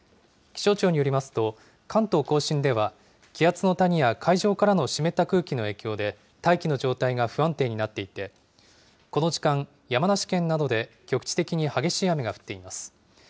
気象庁によりますと、関東甲信では、気圧の谷や海上からの湿った空気の影響で、大気の状態が不安定になっていて、この時間、山梨県などで局地的に激しい雨が降っています。